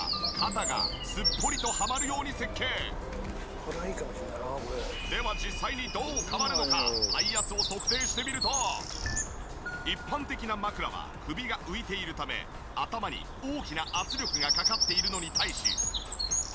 「これはいいかもしれないなこれ」では実際にどう変わるのか体圧を測定してみると一般的な枕は首が浮いているため頭に大きな圧力がかかっているのに対し。